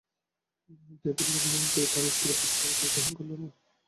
David ল্যাংম্যানকে তাঁর স্ত্রী-পুত্ররা কেউ গ্রহণ করল না।